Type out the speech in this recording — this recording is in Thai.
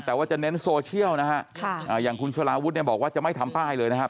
แต่ว่าจะเน้นโซเชียลนะฮะอย่างคุณสลาวุฒิเนี่ยบอกว่าจะไม่ทำป้ายเลยนะครับ